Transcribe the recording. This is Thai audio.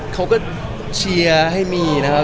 เขาก็เชียร์ให้มีนะครับ